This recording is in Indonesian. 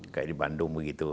kayak di bandung begitu